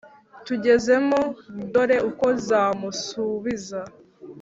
tugezemo dore uko nzamusubiza